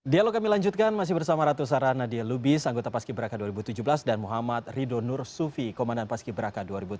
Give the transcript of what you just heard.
dialog kami lanjutkan masih bersama ratu sarah nadia lubis anggota paski beraka dua ribu tujuh belas dan muhammad rido nur sufi komandan paski beraka dua ribu tujuh belas